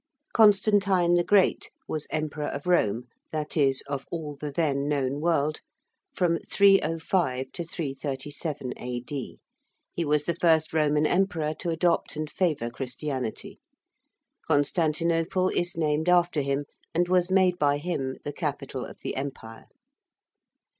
~Constantine the Great~ was Emperor of Rome, that is, of all the then known world from 305 to 337 A.D. He was the first Roman Emperor to adopt and favour Christianity. Constantinople is named after him, and was made by him the capital of the Empire.